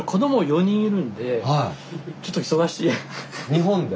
日本で？